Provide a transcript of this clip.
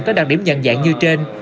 có đặc điểm nhận dạng như trên